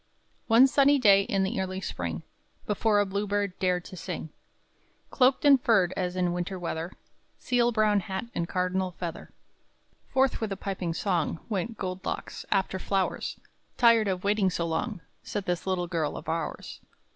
By Clara Doty Bates. One sunny day, in the early spring, Before a bluebird dared to sing, Cloaked and furred as in winter weather, Seal brown hat and cardinal feather, Forth with a piping song, Went Gold Locks "after flowers." "Tired of waiting so long," Said this little girl of ours.